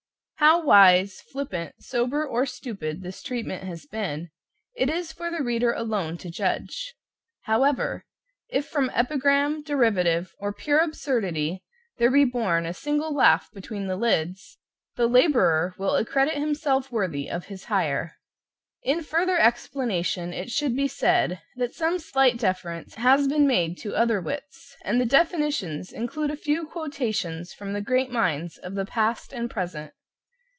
How wise, flippant, sober or stupid, this treatment has been, it is for the reader alone to judge. However, if from epigram, derivative or pure absurdity, there be born a single laugh between the lids, the laborer will accredit himself worthy of his hire. In further explanation it should be said that some slight deference has been made to other wits, and the definitions include a few quotations from the great minds of the past and present.